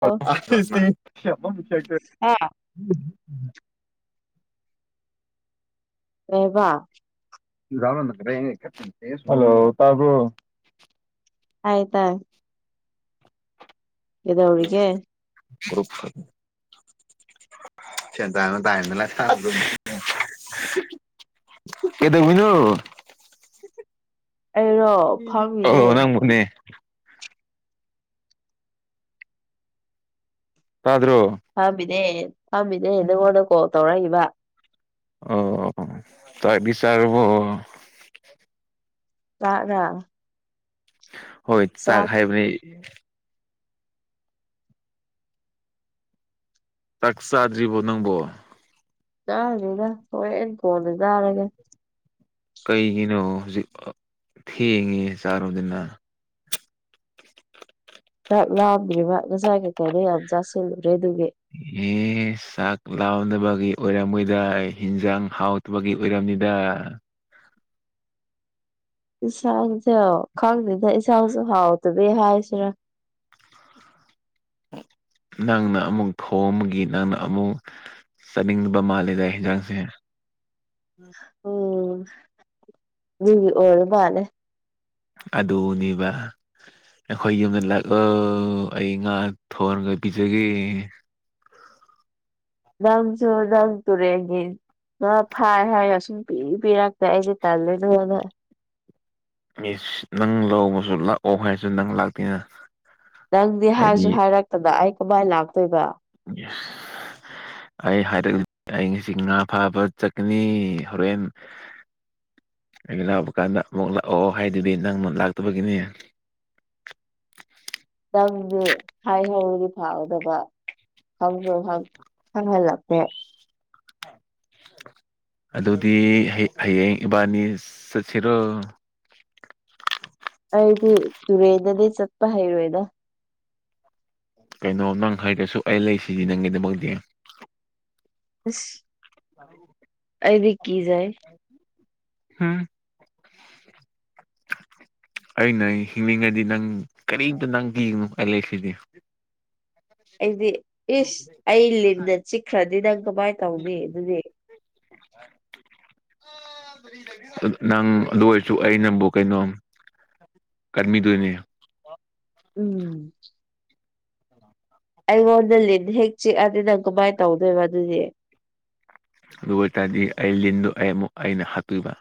ꯑꯣ ꯁꯤ ꯀꯃꯝ ꯆꯦ ꯔꯦꯕꯥ [unintelligible] ꯍꯜꯂꯣ ꯇꯥꯕ꯭ꯔ‌ꯣ ꯇꯥꯏꯌ‌ꯦ ꯇꯥꯏ ꯀꯩꯗꯧꯔꯤꯒ‌ꯦ [unintelligible] [unintelligible] ꯀꯩꯗꯧꯋꯤꯅꯣ ꯑꯩꯔꯣ ꯑ‌ꯣ ꯐꯝꯃꯤꯅꯦ ꯅꯪꯕꯨꯅꯦ ꯇꯥꯗ꯭ꯔꯣ ꯐꯝꯃꯤꯅ‌ꯦꯗꯦ ꯐꯝꯃꯤꯅ‌ꯦ ꯅꯉꯣꯟꯗ ꯀꯣꯜ ꯇꯧꯔꯛꯏꯕ ꯑꯣꯑꯣ ꯇꯥꯏꯕꯤ ꯆꯔꯕꯣ ꯆꯥꯛꯔꯥ ꯍꯣꯏ ꯆꯥꯛ ꯍꯥꯏꯕꯅꯤ ꯆꯥꯛ ꯆꯥꯗ꯭ꯔꯤꯕꯣ ꯅꯪꯕꯣ ꯆꯥꯗ꯭ꯔꯤꯗ ꯍꯣꯔꯦꯟ ꯀꯣꯟꯅ ꯆꯥꯔꯒꯦ ꯀꯩꯒꯤꯅꯣ ꯍꯧꯖꯤꯛ ꯊꯦꯡꯉꯦ ꯆꯥꯔ‌ꯣꯗꯅ ꯆꯥꯛ ꯂꯥꯝꯗ꯭ꯔꯤꯕ ꯉꯁꯥꯏ ꯀꯩ ꯀꯩꯅꯣ ꯌꯥꯝ ꯆꯥꯁꯤꯜꯂꯨꯔꯦ ꯑꯗꯨꯒꯤ ꯎꯝ ꯑꯦꯁ ꯆꯥꯛ ꯥꯂꯝꯗꯕꯒꯤ ꯑꯣꯏꯔꯝꯃ‌ꯣꯏꯗ ꯍ‌ꯦꯟꯖꯥꯡ ꯍꯥꯎꯇꯕꯒꯤ ꯑꯣꯏꯔꯝꯅꯤꯗ ꯏꯟꯁꯥꯡꯁꯦ ꯈꯪꯗꯦꯗ ꯏꯟꯁꯥꯡꯁꯨ ꯍꯥꯎꯇꯕꯩ ꯍꯥꯏꯁꯤꯔꯥ ꯅꯪꯅ ꯑꯃꯨꯛ ꯊꯣꯡꯕꯒꯤ ꯅꯪꯅ ꯑꯃꯨꯛ ꯆꯥꯅꯤꯡꯗꯕ ꯃꯥꯜꯂꯦꯗ ꯍ‌ꯦꯟꯖꯥꯡꯁꯦ ꯎꯝ ꯗꯨꯒꯤ ꯑꯣꯏꯔ ꯃꯥꯟꯅꯦ ꯑꯗꯨꯅꯦꯕ ꯑꯩꯈꯣꯏ ꯌꯨꯝꯗ ꯂꯥꯛꯂ‌ꯣ ꯑꯩ ꯉꯥ ꯊꯣꯡꯔꯒ ꯄꯤꯖꯒꯦ ꯅꯪꯁꯨ ꯅꯪ ꯇꯨꯔꯦꯟꯒꯤ ꯉꯥ ꯐꯥꯏ ꯍꯥꯏꯔ ꯁꯨꯝꯄꯤ ꯄꯤꯔꯛꯇꯦ ꯑꯩꯁꯦ ꯇꯜꯂꯦꯅ [unintelligible] ꯏꯁ ꯅꯪ ꯂꯧꯕꯁꯨ ꯂꯥꯛꯑꯣ ꯍꯥꯏꯁꯨ ꯅꯪ ꯂꯥꯛꯇꯦꯅ ꯅꯪꯗꯤ ꯍꯥꯏꯁꯨ ꯍꯥꯏꯗꯤ ꯍꯥꯏꯔꯛꯇꯅ ꯑꯩ ꯀꯃꯥꯏꯅ ꯂꯥꯛꯇꯣꯏꯕ [unintelligible] ꯑꯩ ꯍꯥꯏꯔꯒ ꯑꯩ ꯉꯁꯤ ꯉꯥ ꯐꯥꯕ ꯆꯠꯀꯅꯤ ꯍꯣꯔꯦꯟ ꯑꯩꯅ ꯂꯥꯛꯕ ꯀꯥꯟꯗ ꯑꯃꯨꯛ ꯂꯥꯛꯑꯣ ꯍꯥꯏꯗꯨꯗꯤ ꯅꯪꯅ ꯂꯥꯛꯇꯕꯒꯤꯅꯤ ꯅꯪꯗꯤ ꯍꯥꯏ ꯍꯧꯔꯗꯤ ꯐꯥꯒꯗꯕ ꯈꯪꯁꯨ ꯈꯪ ꯈꯪꯍꯜꯂꯛ [unintelligible] ꯑꯗꯨꯗꯤ ꯍꯌꯦꯡ ꯏꯕꯥꯅꯤ ꯆꯠꯁꯤꯔꯣ ꯑꯩꯗꯤ ꯇꯨꯔꯦꯟꯗꯗꯤ ꯆꯠꯄ ꯍꯩꯔꯣꯏꯗ ꯀꯩꯅꯣ ꯅꯪ ꯍꯥꯏꯇꯔꯁꯨ ꯑꯩ ꯂꯩ ꯁꯤꯗꯤ ꯅꯪꯒꯤꯗꯃꯛꯇꯤ ꯑꯁ [unintelligible] ꯑꯩꯗꯤ ꯀꯤꯖꯩ ꯍꯥꯝ ꯑꯩꯅ ꯍꯤꯡꯂꯤꯉꯩꯗꯤ ꯅꯪ ꯀꯔꯤꯝꯇ ꯅꯪ ꯀꯤꯒꯅꯨ ꯑꯦ ꯂꯩꯁꯤꯗꯤ ꯑꯩꯗꯤ ꯏꯁ ꯑꯩ ꯂꯤꯟꯅ ꯆꯤꯛꯈ꯭ꯔꯗꯤ ꯅꯪ ꯀꯃꯥꯏꯟ ꯇꯧꯅꯤ ꯑꯗꯨꯗꯤ [inaudible] ꯅꯪ ꯑꯗꯨ ꯑꯣꯏꯔꯁꯨ ꯑꯩꯅꯕꯨ ꯀꯩꯅꯣꯝ ꯀꯟꯕꯤꯗꯨꯅꯦ ꯎꯝ ꯑꯩꯉꯣꯟꯗ ꯂꯤꯟ ꯍꯦꯛ ꯆꯤꯛꯑꯗꯤ ꯅꯪ ꯀꯃꯥꯏꯅ ꯇꯧꯗꯣꯏꯕ ꯑꯗꯨꯗꯤ ꯑꯗꯨ ꯑꯣꯏꯇꯥꯔꯗꯤ ꯑꯩ ꯂꯤꯟꯗꯣ ꯑꯩ ꯑꯃꯨꯛ ꯑꯩꯅ ꯍꯥꯠꯇꯣꯏꯕ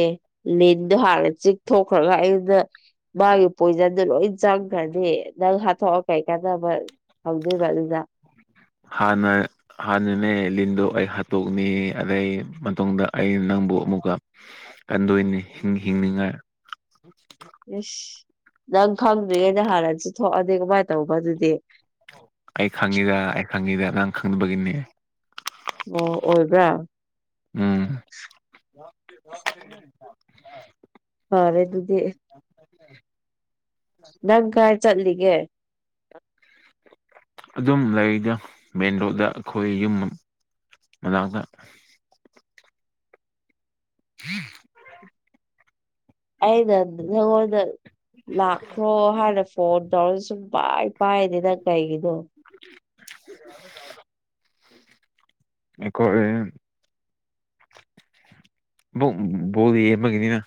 ꯑꯦ ꯂꯤꯟꯗꯣ ꯍꯥꯠꯂ ꯆꯤꯛꯊ‌ꯣꯛꯈ꯭ꯔꯒ ꯑꯩꯉ‌ꯣꯟꯗ ꯃꯥꯒꯤ ꯄꯣꯏꯖꯟꯗ‌ꯣ ꯂꯣꯏ ꯆꯪꯈ꯭ꯔꯗꯤ ꯅꯪ ꯍꯥꯠꯇꯣꯛꯑ ꯀꯩ ꯀꯥꯟꯅꯕ ꯍꯧꯗꯣꯢꯕ ꯑꯗꯨꯗ ꯍꯥꯟꯅ ꯍꯥꯟꯅꯅꯦ ꯂꯤꯟꯗꯣ ꯑꯩ ꯍꯥꯠꯇꯣꯛꯅꯤ ꯑꯗꯩ ꯃꯇꯨꯡꯗ ꯑ ꯅꯪꯕꯨ ꯑꯃꯨꯛꯀ ꯀꯟꯗꯣꯏꯅꯤ ꯍꯤꯡꯅꯤꯡꯉꯥꯏ [unintelligible] ꯏꯁꯁ ꯅꯪ ꯈꯪꯗꯣꯏꯉꯅ ꯍꯥꯟꯅꯁꯨ ꯊꯣꯛꯑꯗꯤ ꯀꯃꯥꯏꯅ ꯇꯧꯕ ꯑꯗꯨꯗꯤ ꯑꯩ ꯈꯪꯉꯤꯗ ꯑꯩ ꯈꯪꯉꯤꯗ ꯅꯪ ꯈꯪꯅꯕꯒꯤꯅꯤ ꯑꯣ ꯑꯣꯏꯕ꯭ꯔꯥ ꯎꯝ ꯐꯔꯦ ꯑꯗꯨꯗꯤ ꯅꯪ ꯀꯥꯏ ꯆꯠꯂꯤꯒꯦ ꯑꯗꯨꯝ ꯂꯩꯔꯤꯗ ꯃꯦꯟ ꯔꯣꯗ ꯑꯩꯈꯣꯏ ꯌꯨꯝ ꯃꯅꯥꯛꯇ [unintelligible] [inaudible] ꯑꯩꯅ ꯅꯉꯣꯟꯗ ꯂꯥꯛꯈ꯭ꯔꯣ ꯍꯥꯏꯅ ꯐꯣꯟ ꯇꯧꯔꯒ ꯁꯨꯛ ꯄꯥꯏ ꯄꯥꯢꯗꯦꯗ ꯀꯩꯒꯤꯅꯣ ꯑꯩꯈꯣꯏ ꯕꯣꯜ ꯌꯦꯡꯕꯒꯤꯅꯤꯅ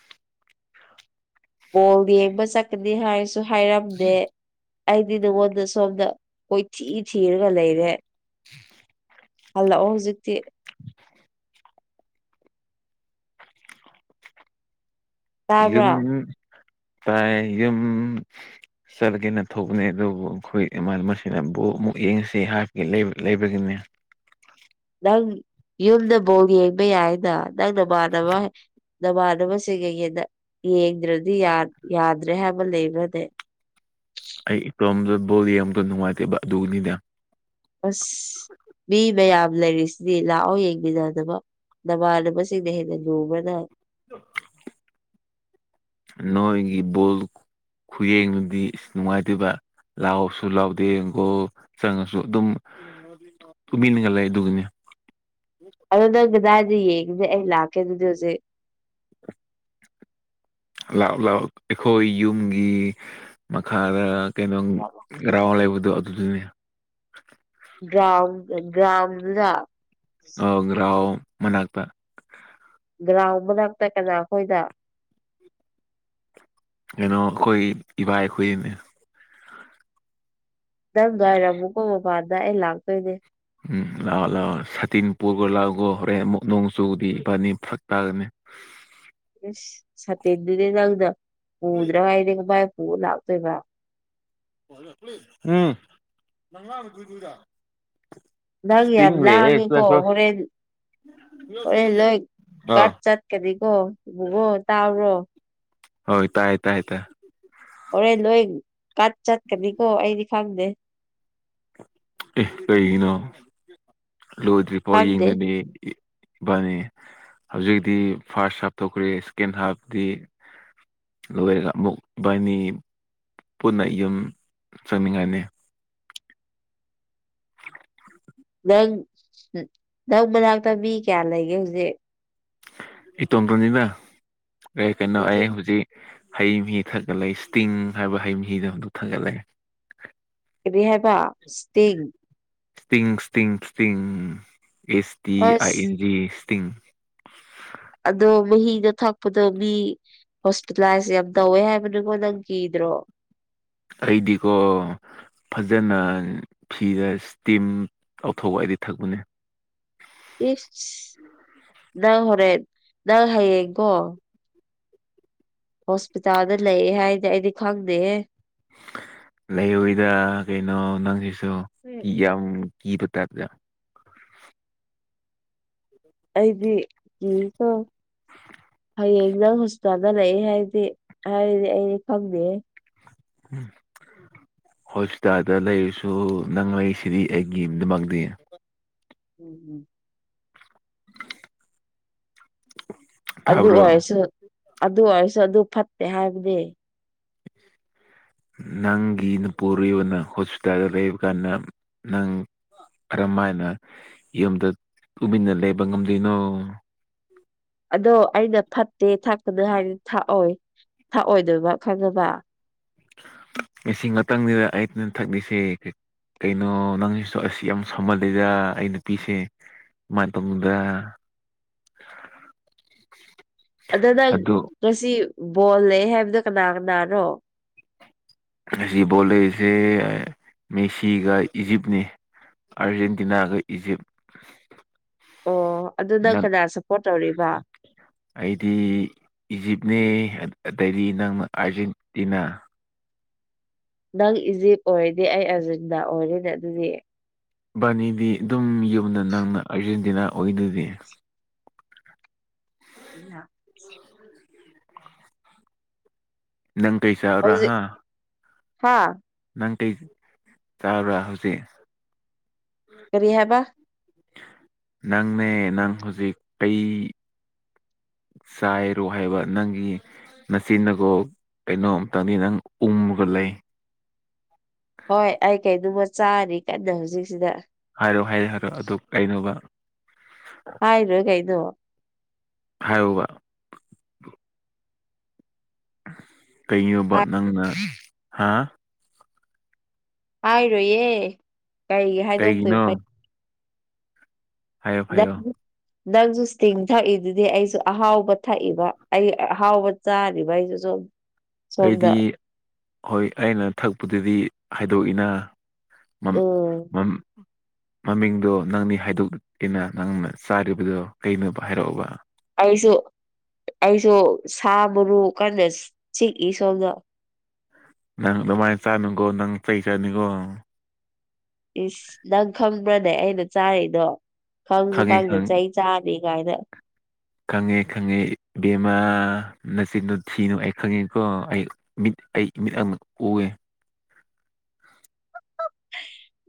ꯕꯣꯜ ꯌꯦꯡꯕ ꯆꯠꯀꯅꯤ ꯍꯥꯏꯔꯁꯨ ꯍꯥꯏꯔꯝꯗꯦ ꯑꯩꯗꯤ ꯅꯉꯣꯟꯗ ꯁꯣꯝꯗ ꯀꯣꯏꯊꯤ ꯊꯤꯔꯒ ꯂꯩꯔꯦ [inaudible] ꯍꯜꯂꯑꯣ ꯍꯧꯖꯤꯛꯇꯤ ꯇꯥꯕ꯭ꯔꯥ ꯌꯨꯝ ꯇꯥꯏ ꯌꯨꯝ ꯆꯠꯂꯒꯦꯅ ꯊꯣꯛꯕꯅꯦ ꯑꯗꯨꯕꯨ ꯑꯩꯈꯣꯏꯅ ꯃꯁꯤꯅ ꯕꯨ ꯑꯃꯨꯛ ꯌꯦꯡꯉꯁꯤ ꯍꯥꯞꯀꯦ ꯂꯩꯕꯒꯤꯅꯦ ꯅꯪ ꯌꯨꯝꯗ ꯕꯣꯜ ꯌꯦꯡꯕ ꯌꯥꯏꯅ ꯅꯪ ꯅꯃꯥꯟꯅꯕ ꯅꯃꯥꯟꯅꯕꯁꯤꯡ ꯀꯩ ꯍꯦꯗ ꯌꯦꯡꯗ꯭ꯔꯗꯤ ꯌꯥꯗ꯭ꯔꯦ ꯍꯥꯏꯕ ꯂꯩꯕ꯭ꯔꯅꯦ ꯑꯩ ꯏꯇꯣꯝꯗ ꯕꯣꯜꯡꯇ ꯅꯨꯡꯉꯥꯏꯇꯦꯕ ꯑꯗꯨꯒꯤꯅꯤꯗ ꯑꯁ ꯃꯤ ꯃꯌꯥꯝ ꯂꯩꯔꯤꯁꯤꯗꯤ ꯂꯥꯛꯑꯣ ꯌꯦꯡꯃꯤꯅꯅꯕ ꯅꯃꯥꯟꯅꯕꯁꯤꯡꯅ ꯍꯦꯟꯅ ꯂꯨꯕꯅ [inaudible] ꯅꯣꯏꯒꯤ ꯕꯣꯜ ꯈꯨꯌꯦꯡꯗꯨꯗꯤ ꯅꯨꯡꯉꯥꯏꯇꯦꯕ ꯂꯥꯎꯁꯨ ꯂꯥꯎꯗꯦ ꯒꯣꯜ ꯆꯪꯉꯁꯨ ꯑꯗꯨꯝ ꯇꯨꯃꯤꯟꯅꯒ ꯂꯩ ꯑꯗꯨꯒꯤꯅꯤ ꯑꯗꯨ ꯅꯪ ꯀꯗꯥꯏꯗ ꯌꯦꯡꯉꯁꯦ ꯑꯩ ꯂꯥꯛꯀꯦ ꯑꯗꯨꯗꯤ ꯍꯧꯖꯤꯛ ꯂꯥꯎ ꯂꯥꯎ ꯑꯩꯈꯣꯏ ꯌꯨꯝꯒꯤ ꯃꯈꯥꯗ ꯀꯩꯅꯣ ꯒ꯭ꯔꯥꯎꯟ ꯂꯩꯕꯗꯨ ꯑꯗꯨꯗꯨꯒꯤ ꯒ꯭ꯔꯥꯎꯟ ꯒ꯭ꯔꯥꯎꯟꯗꯨꯗ ꯑ ꯒ꯭ꯔꯥꯎꯟ ꯃꯅꯥꯥꯛꯇꯥ ꯒ꯭ꯔꯥꯎꯟ ꯃꯅꯥꯛꯇ ꯀꯅꯥ ꯑꯩꯈꯣꯏꯗ ꯀꯩꯅꯣ ꯑꯩꯈꯣꯏ ꯏꯕꯥꯢ ꯈꯣꯏꯒꯤꯅꯦ ꯅꯪ ꯂꯩꯔꯝꯃꯨꯀꯣ ꯃꯄꯥꯟꯗ ꯑꯩ ꯂꯥꯛꯇꯣꯏꯅꯦ ꯎꯝ ꯂꯥꯛꯑꯣ ꯂꯥꯛꯑꯣ ꯁꯇꯤꯟ ꯄꯨꯈ꯭ꯔꯣ ꯂꯥꯛꯑꯣꯒꯣ ꯍꯣꯔꯦꯟ ꯑꯃꯨꯛ ꯅꯣꯡꯆꯨꯗꯤ ꯏꯕꯥꯅꯤ ꯐꯔꯛ ꯇꯥꯒꯅꯤ ꯏꯁ ꯁꯇꯦꯟꯗꯨꯗꯤ ꯅꯪꯗ ꯄꯨꯗ꯭ꯔꯒꯗꯤ ꯀꯃꯥꯏ ꯄꯨꯕ ꯂꯥꯛꯇꯣꯏꯕ ꯎꯝ ꯅꯪ ꯏꯁꯇꯤꯡ ꯌꯥꯝ ꯂꯩꯌꯦ ꯁꯤꯗ ꯂꯥꯡꯉꯤꯀꯣ ꯁꯨ ꯍꯣꯔꯦꯟ ꯍꯣꯔꯦꯟ ꯂꯣꯏ ꯑ ꯒꯥꯔꯗ ꯆꯠꯀꯅꯤꯀꯣ ꯏꯉꯣ ꯇꯥꯕ꯭ꯔꯣ ꯍꯣꯏ ꯇꯥꯏ ꯇꯥꯏ ꯇꯥꯢ ꯍꯣꯔꯦꯟ ꯅꯣꯏ ꯀꯠ ꯆꯠꯀꯅꯤꯀꯣ ꯑꯩꯗꯤ ꯈꯪꯗꯦ ꯑꯦ ꯀꯔꯤꯒꯤꯅꯣ ꯂꯣꯏꯗ꯭ꯔꯤꯐꯥꯎ ꯈꯪꯗꯦ ꯌꯦꯡꯒꯅꯦ ꯏꯕꯥꯅꯤ ꯍꯧꯖꯤꯛꯇꯤ ꯐꯥꯔꯁ ꯍꯥꯞ ꯊꯣꯛꯈ꯭ꯔꯦ ꯁꯦꯀꯦꯟ ꯍꯥꯐꯇꯗꯤ ꯂꯣꯏꯔꯒ ꯑꯃꯨꯛ ꯏꯕꯥꯅꯤ ꯄꯨꯟꯅ ꯌꯨꯝ ꯆꯪꯅꯤꯡꯉꯥꯏꯅꯤ ꯅꯪ ꯅꯪ ꯃꯅꯥꯛꯇ ꯃꯤ ꯀꯌꯥ ꯂꯩꯒꯦ ꯍꯧꯖꯤꯛ ꯏꯇꯣꯝꯕꯔꯅꯤꯕ ꯑꯩ ꯀꯩꯅꯣ ꯑꯩ ꯍꯧꯖꯤꯛ ꯍꯩ ꯃꯍꯤ ꯊꯛꯒ ꯂꯩ ꯏꯁꯇꯤꯡ ꯍꯥꯏꯕ ꯍꯩ ꯃꯍꯤꯗꯣ ꯑꯗꯨ ꯊꯛꯑꯥ ꯂꯩ ꯀꯩꯔꯤ ꯍꯥꯏꯕ ꯏꯁꯇꯤꯡ ꯁꯇꯤꯡ ꯁꯇꯤꯡ ꯁꯇꯤꯡ ꯑꯦꯁ ꯇꯤ ꯑꯥꯏ ꯑꯁ ꯑꯦꯟꯖꯤ ꯁꯇꯤꯡ ꯑꯗꯣ ꯃꯍꯤꯗꯣ ꯊꯛꯄꯗꯣ ꯃꯤ ꯍꯣꯁꯄꯤꯇꯥꯂꯥꯏꯁ ꯌꯥꯝ ꯇꯧꯋꯦ ꯍꯥꯏꯕꯅꯤꯀꯣ ꯅꯪ ꯀꯤꯗ꯭ꯔꯣ ꯑꯩꯗꯤꯀꯣ ꯐꯖꯅ ꯐꯤꯗ ꯏꯁꯇꯤꯝ ꯂꯧꯊꯣꯛꯑ ꯑꯩꯗꯤ ꯊꯛꯄꯅꯦ ꯏꯁ ꯅꯪ ꯍꯣꯔꯦꯟ ꯅꯪ ꯍꯥꯌꯦꯡꯀꯣ ꯍꯣꯁꯄꯤꯇꯥꯜꯗ ꯂꯩꯑꯦ ꯍꯥꯏꯗꯤ ꯑꯩꯗꯤ ꯈꯪꯗꯦꯍꯦ ꯂꯩꯔꯣꯏꯗ ꯀꯩꯅꯣ ꯅꯪꯁꯤꯁꯨ ꯎꯝ ꯌꯥꯝ ꯀꯤꯕ ꯇꯥꯏꯞꯇ ꯑꯩꯗꯤ ꯀꯤꯀꯣ ꯍꯌꯦꯡ ꯅꯪ ꯍꯣꯁꯄꯤꯇꯥꯜꯗ ꯂꯩꯑꯦ ꯍꯥꯏꯔꯗꯤ ꯍꯥꯏꯔꯗꯤ ꯑꯩꯗꯤ ꯈꯪꯗꯦꯍꯦ ꯎꯝ ꯍꯣꯁꯄꯤꯇꯥꯜꯗ ꯂꯩꯔꯁꯨ ꯅꯪ ꯂꯩꯁꯤꯗꯤ ꯑꯩꯒꯤꯗꯃꯛꯇꯤ ꯎꯝ ꯎꯝ ꯑꯗꯨ ꯇꯥꯕ꯭ꯔꯣ ꯑꯣꯏꯔꯁꯨ ꯑꯗꯨ ꯑꯣꯏꯔꯁꯨ ꯑꯗꯨ ꯐꯠꯇꯦ ꯍꯥꯏꯕꯗꯤ ꯅꯪꯒꯤ ꯅꯨꯄꯨꯔꯣꯏꯕꯅ ꯍꯣꯁꯄꯤꯇꯥꯜꯗ ꯂꯩꯕ ꯀꯥꯟꯗ ꯅꯪ ꯀꯔꯝ ꯍꯥꯏꯅ ꯌꯨꯝꯗ ꯇꯨꯃꯤꯟꯅ ꯂꯩꯕ ꯉꯝꯗꯣꯏꯅꯣ ꯑꯗꯣ ꯑꯩꯅ ꯐꯠꯇꯦ ꯊꯛꯀꯅꯨ ꯍꯥꯏꯗꯤ ꯊꯥꯛꯑꯣꯏ ꯊꯥꯛꯑꯣꯏꯗꯣꯏꯕ ꯈꯪꯉꯥꯕ ꯏꯁꯤꯡ ꯉꯥꯛꯇꯪꯅꯤꯗ ꯑꯩꯩꯅ ꯊꯛꯂꯤꯁꯦ ꯀꯩꯅꯣ ꯅꯪꯁꯨ ꯑꯁꯤ ꯌꯥꯝ ꯁꯥꯎꯃꯜꯂꯤꯗ ꯑꯩ ꯅꯨꯄꯤꯁꯦ ꯃꯇꯨꯡꯗꯥ [unintelligible] ꯑꯗꯨ ꯅꯪ ꯉꯁꯤ ꯕꯣꯜ ꯂꯩ ꯍꯥꯏꯕꯗꯣ ꯀꯅꯥ ꯀꯅꯥꯔꯣ ꯑꯁꯤ ꯕꯣꯜ ꯂꯩꯔꯤꯁꯦ ꯃꯦꯁꯤꯒ ꯏꯖꯤꯞꯅꯤ ꯑꯔꯖꯦꯟꯇꯤꯅꯥꯒ ꯏꯖꯤꯞ ꯑꯣ ꯑꯗꯨ ꯅꯪ ꯀꯅꯥ ꯁꯞꯄꯣꯔꯠ ꯇꯧꯔꯤꯕ ꯑꯩꯗꯤ ꯏꯖꯤꯞꯅꯦ ꯑꯇꯩꯗꯤ ꯅꯪꯅ ꯑꯥꯔꯖꯦꯟꯇꯤꯅꯥ ꯅꯪ ꯏꯖꯤꯞ ꯑꯣꯏꯔꯗꯤ ꯑꯩ ꯑꯥꯔꯖꯦꯟꯇꯤꯅ ꯑꯣꯏꯔꯦꯅꯦ ꯑꯗꯨꯗꯤ ꯕꯥꯅꯤꯗꯤ ꯑꯗꯨꯝ ꯌꯨꯝꯗ ꯅꯪꯅ ꯑꯥꯔꯖꯦꯟꯇꯤꯅꯥ ꯑꯣꯏꯗꯨꯗꯤ [inaudible] ꯅꯪ ꯀꯩ ꯆꯥꯕ꯭ꯔꯥ ꯍꯥ ꯍꯥꯥ ꯅꯪ ꯆꯥꯕ꯭ꯔꯥ ꯍꯧꯖꯤꯛ ꯀꯔꯤ ꯍꯥꯏꯕ ꯅꯪꯅꯦ ꯅꯪ ꯍꯧꯖꯤꯛ ꯀꯩ ꯆꯥꯏꯔꯣ ꯍꯥꯏꯕ ꯅꯪꯒꯤ ꯅꯆꯤꯟꯗꯒꯣ ꯀꯩꯅꯣ ꯑꯝꯛꯇꯪꯗꯤ ꯅꯪ ꯎꯝꯃꯒ ꯂꯩ ꯍꯣꯏ ꯑꯩ ꯀꯩꯃ ꯆꯥꯔꯤ ꯀꯟꯅ ꯍꯧꯖꯤꯛꯁꯤꯗ ꯍꯥꯏꯔꯣ ꯍꯥꯏꯔꯣ ꯍꯥꯏꯔꯛꯑꯣ ꯑꯗꯨ ꯀꯩꯅꯣꯕ ꯍꯥꯏꯒꯔꯦ ꯀꯩꯅꯣ ꯍꯥꯏꯌꯣꯕ ꯀꯩꯅꯣꯕ ꯍꯥꯏ ꯅꯪꯅ ꯍꯥ ꯍꯥꯏꯔꯣꯏꯌꯦ ꯀꯔꯤꯒꯤ ꯍꯥꯏꯗꯣꯛꯇꯣꯏ ꯀꯩꯒꯤꯅꯣ ꯍꯥꯏꯌꯣ ꯍꯥꯏꯌꯣ [inaudible] ꯅꯪꯁꯨ ꯁꯇꯤꯡ ꯊꯛꯏꯗꯨꯗꯤ ꯑꯩꯁꯨ ꯑꯍꯥꯎꯕ ꯊꯛꯏꯕ ꯑꯩ ꯑꯍꯥꯎꯕ ꯆꯥꯔꯤꯕ ꯑꯩꯁꯨ ꯁꯨꯝ ꯑꯩꯗꯤ ꯍꯣꯏ ꯑꯩꯅ ꯊꯛꯄꯗꯨꯗꯤ ꯍꯥꯏꯗꯣꯛꯏꯅ ꯃꯝ ꯎꯝ ꯃꯝ ꯃꯃꯤꯡꯗꯣ ꯅꯪꯅꯤ ꯍꯥꯏꯗꯣꯛꯀꯦꯅ ꯅꯪꯅ ꯆꯥꯔꯤꯕꯗꯣ ꯀꯩꯅꯣꯕ ꯍꯥꯏꯔꯛꯑꯣꯕ ꯑꯩꯁꯨ ꯑꯩꯁꯨ ꯁꯥ ꯃꯔꯨ ꯀꯥꯟꯗ ꯆꯤꯛꯏ ꯁꯣꯝꯗ ꯅꯪ ꯑꯗꯨꯃꯥꯏꯅ ꯆꯥꯅꯨꯀꯣ ꯅꯪ ꯆꯩ ꯆꯠꯅꯤꯀꯣ ꯏꯁ ꯅꯪ ꯈꯪꯕ꯭ꯔꯅꯦ ꯑꯩꯅ ꯆꯥꯔꯤꯗꯣ ꯈꯪꯁꯨ ꯈꯪꯉꯦ ꯈꯪꯗꯦ ꯈꯪꯉꯦ ꯆꯩ ꯆꯔꯒꯗ ꯈꯪꯉꯦ ꯈꯪꯉꯦ ꯕꯦꯝꯃꯥ ꯅꯆꯤꯟꯗꯣ ꯊꯤꯅꯨ ꯑꯩ ꯈꯪꯉꯦꯀꯣ ꯑꯩ ꯃꯤꯠ ꯑꯩ ꯃꯤꯠ ꯑꯪꯅꯛ ꯎꯒꯦ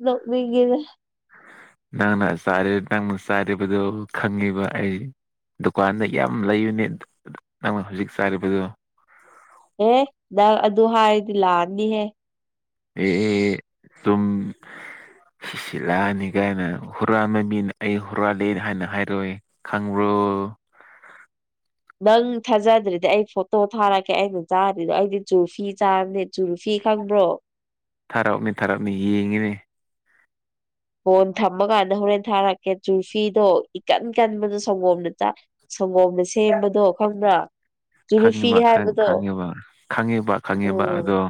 ꯅ ꯃꯤꯒꯗ ꯅꯪꯅ ꯅꯪꯅ ꯆꯥꯔꯤꯕꯗꯨꯣ ꯈꯪꯉꯤꯕ ꯑꯩ ꯗꯨꯀꯥꯟꯗ ꯌꯥꯝ ꯂꯩꯕꯅꯦ ꯅꯪꯅ ꯍꯧꯖꯤꯛ ꯆꯥꯔꯤꯕꯗꯨꯣ ꯑꯦ ꯅꯪ ꯑꯗꯨ ꯍꯥꯏꯔꯗꯤ ꯂꯥꯛꯑꯅꯤꯍꯦ ꯑꯦ ꯁꯨꯝ ꯁꯤꯁꯤꯂꯥꯛꯑꯅꯤ ꯀꯥꯏꯅ ꯍꯨꯔꯥꯟ ꯃ ꯃꯤꯅ ꯑꯩ ꯍꯨꯔꯥꯜꯂꯦ ꯍꯥꯏꯅ ꯍꯥꯏꯔꯣꯏꯦ ꯈꯪꯕ꯭ꯔꯣ ꯅꯪ ꯊꯥꯖꯗ꯭ꯔꯗꯤ ꯑꯩ ꯐꯣꯇꯣ ꯊꯥꯔꯛꯀꯦ ꯑꯩꯅ ꯆꯥꯔꯤꯗꯣ ꯑꯩꯗꯤ ꯆꯖꯨꯐꯤ ꯆꯥꯕꯅꯤꯅ ꯆꯨꯔꯨꯐꯤ ꯈꯪꯕ꯭ꯔꯣ ꯊꯥꯔꯛꯑꯅꯤ ꯊꯥꯔꯛꯅꯤ ꯌꯦꯡꯉꯤꯅꯦ ꯐꯣꯟ ꯊꯝꯃꯀꯥꯟꯗ ꯍꯣꯔꯦꯟ ꯊꯥꯔꯛꯀꯦ ꯆꯨꯔꯐꯤꯗꯣ ꯏꯀꯟ ꯀꯟꯕꯗꯣ ꯁꯪꯒꯣꯝꯅ ꯆ ꯁꯪꯒꯣꯝꯅ ꯁꯦꯝꯕꯗꯣ ꯈꯪꯗ꯭ꯔ ꯈꯪꯉꯤꯕ ꯈꯪꯉꯤꯕ ꯈꯪꯉꯤꯕ ꯈꯪꯉꯤꯕ ꯎꯝ ꯑꯗꯣ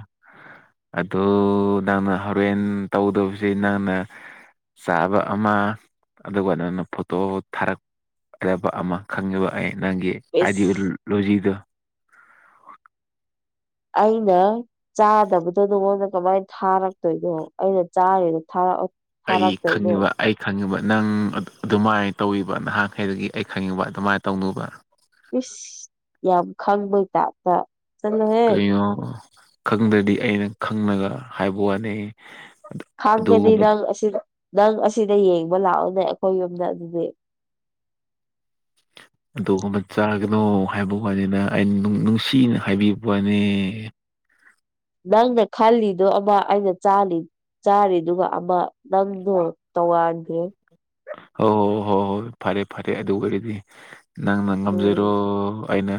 ꯑꯗꯨꯗ ꯅꯪꯅ ꯍꯣꯔꯦꯟ ꯇꯧꯗꯕꯁ ꯅꯪꯅ ꯆꯥꯕ ꯑꯃ ꯑꯗꯨꯒ ꯑꯗꯨꯅ ꯐꯣꯇꯣ ꯊꯥꯔꯛ ꯑꯗꯕ ꯑꯃ ꯈꯪꯉꯤꯕ ꯑꯩ ꯅꯪꯒꯤ ꯏꯁ ꯑꯥꯏꯗꯤꯑꯣꯣꯂꯣꯖꯤꯗꯣ ꯑꯩꯅ ꯆꯥꯗꯕꯗꯣ ꯅꯉꯣꯟꯗ ꯀꯃꯥꯏꯅ ꯊꯥꯔꯛꯇꯣꯏꯅꯣ ꯑꯩꯅ ꯆꯥꯔꯦꯅ ꯊꯥꯔꯛ ꯑꯩ ꯈꯪꯉꯤꯕ ꯑꯩ ꯈꯪꯉꯤꯕ ꯅꯪ ꯑꯗꯨꯃꯥꯏꯅ ꯇꯧꯕ ꯅꯍꯥꯟꯈꯩꯗꯒꯤ ꯑꯩ ꯈꯪꯉꯤꯕ ꯑꯗꯨꯃꯥꯏꯅ ꯇꯧꯅꯨꯕ ꯏꯁꯁ ꯌꯥꯝ ꯈꯪꯕꯩ ꯇꯥꯕ ꯀꯩꯅꯣ ꯈꯪꯗ꯭ꯔꯗꯤ ꯑꯩꯅ ꯈꯪꯉꯒ ꯍꯥꯏꯕ ꯋꯥꯅꯦ ꯈꯪꯒꯗꯤ ꯅꯪ ꯑꯁꯤ ꯅꯪ ꯑꯁꯤꯗ ꯌꯦꯡꯕ ꯂꯥꯛꯑꯣꯅꯦ ꯑꯩꯈꯣꯏ ꯌꯨꯝꯗ ꯑꯗꯨꯗꯤ [inaudible] ꯑꯗꯨꯒꯨꯝꯕ ꯑꯃ ꯆꯥꯒꯅꯣ ꯍꯥꯏꯕ ꯋꯥꯅꯤꯅ ꯑꯩꯅ ꯅꯨꯡꯁꯤꯅ ꯍꯥꯏꯕꯤꯕ ꯋꯥꯅꯤ ꯅꯪꯅ ꯈꯜꯂꯤꯗꯣ ꯑꯃ ꯑꯩꯅ ꯆꯥꯜꯂꯤ ꯆꯥꯔꯤꯗꯨ ꯑꯃ ꯅꯪꯗꯣ ꯇꯧꯉꯥꯟꯈ꯭ꯔꯦ ꯍꯣꯏ ꯍꯣꯏ ꯍꯣꯏ ꯍꯣꯏ ꯍꯣꯏ ꯐꯔꯦ ꯐꯔꯦ ꯑꯗꯨ ꯑꯣꯏꯔꯗꯤ ꯅꯪꯅ ꯉꯝꯖꯔꯣ ꯎꯝ ꯑꯩꯅ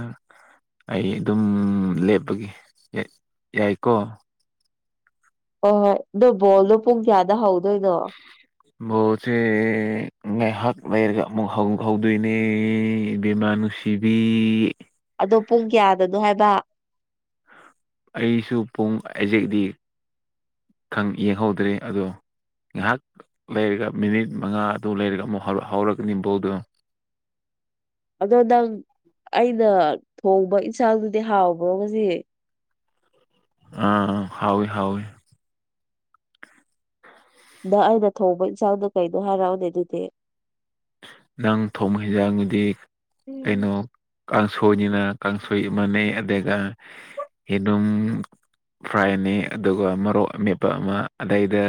ꯑꯩ ꯑꯗꯨꯝ ꯂꯦꯞꯄꯒꯤ ꯌꯥꯏꯀꯣ ꯍ ꯍꯣꯏ ꯅꯣ ꯕꯣꯜꯗꯣ ꯄꯨꯡ ꯀꯌꯥꯗ ꯍꯧꯗꯣꯏꯅꯣ ꯕꯁꯦ ꯉꯥꯏꯍꯥꯛ ꯂꯩꯔꯒ ꯑꯃꯨꯛ ꯍꯥꯎ ꯍꯥꯎꯗꯣꯏꯅꯦ ꯏꯕ‌ꯦꯃ ꯅꯨꯡꯁꯤ ꯀꯤꯕꯤ ꯑꯗꯣ ꯄꯨꯡ ꯀꯌꯥꯗꯅꯣ ꯍꯥꯏꯕ ꯑꯩꯁꯨ ꯄꯨꯡ ꯑꯖꯦꯛꯗꯤ ꯌꯦꯡꯍꯧꯗ꯭ꯔꯦ ꯑꯗꯣ ꯉꯥꯏꯍꯥꯛ ꯂꯩꯔꯒ ꯃꯤꯅꯤꯠ ꯃꯉꯥ ꯑꯗꯨ ꯂꯩꯔꯒ ꯑꯃꯨꯛ ꯍꯧꯔꯒꯅꯤ ꯕꫭꯜꯗꯣ ꯑꯗꯣ ꯅꯪ ꯑꯩꯅ ꯊꯣꯡꯕ ꯏꯟꯁꯥꯡꯗꯨꯗꯤ ꯍꯥꯎꯕ꯭ꯔꯣ ꯉꯁꯤ ꯑꯥ ꯍꯥꯎꯏ ꯍꯥꯎꯏ ꯅꯪ ꯑꯩꯅ ꯊꯣꯡꯧꯕ ꯏꯟꯆꯥꯎꯗꯣ ꯀꯩꯗꯣ ꯍꯥꯏꯔꯛꯑꯣꯅꯦ ꯑꯗꯨꯗꯤ ꯅꯪ ꯊꯣꯡꯕ ꯍꯦꯟꯖꯥꯡꯒꯤꯗꯤ ꯎꯝ ꯀꯩꯅꯣ ꯀꯥꯡꯁꯣꯏꯅꯤꯅ ꯀꯥꯡꯁꯣꯏ ꯃꯥꯟꯅꯩ ꯑꯗꯨꯒ ꯑ‌ꯦꯂꯨꯝ ꯐ꯭ꯔꯥꯏꯅꯤ ꯑꯗꯨꯒ ꯃꯔꯣꯛ ꯑꯃꯦꯠꯄ ꯑꯃ ꯑꯗꯩꯗ